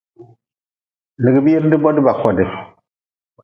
Lugʼbire de bodi ba kodi.